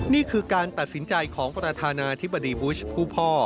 นี่คือการตัดสินใจของประธานาธิบดีบุชผู้พ่อ